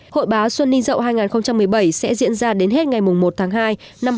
hội báo xuân đinh dậu hai nghìn một mươi bảy sẽ diễn ra đến hết ngày một tháng hai năm hai nghìn một mươi bảy